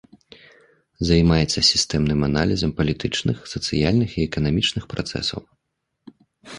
Займаецца сістэмным аналізам палітычных, сацыяльных і эканамічных працэсаў.